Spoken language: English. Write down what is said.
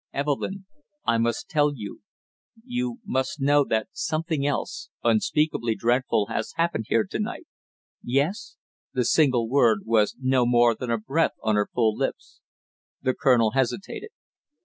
"Evelyn, I must tell you you must know that something else unspeakably dreadful has happened here to night!" "Yes?" The single word was no more than a breath on her full lips. The colonel hesitated.